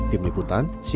tim liputan cnn indonesia